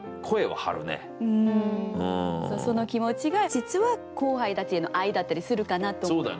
その気持ちが実は後輩たちへの愛だったりするかなと思って。